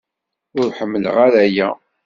Ur ḥemmleɣ ara aya.